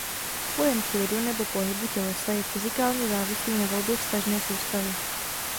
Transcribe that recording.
Pojem klidu nebo pohybu tělesa je fyzikálně závislý na volbě vztažné soustavy.